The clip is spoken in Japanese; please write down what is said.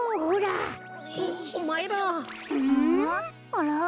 あら？